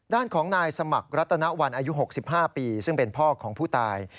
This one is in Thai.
ด้านของนายสมัครรัตนวันอายุ๖๕ปีซึ่งเป็นพ่อของผู้ตาย